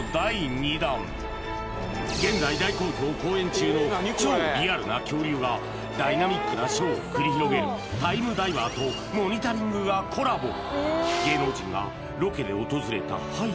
現在大好評公演中の超リアルな恐竜がダイナミックなショーを繰り広げる「ＴＩＭＥＤＩＶＥＲ」と「モニタリング」がコラボ